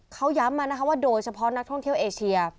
เขาย้ำมานะคะว่าโดยเฉพาะนักท่องเที่ยวเอเชีย